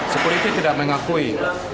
seperti itu tidak mengakui